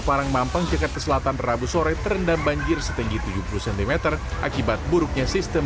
parang mampang jakarta selatan rabu sore terendam banjir setinggi tujuh puluh cm akibat buruknya sistem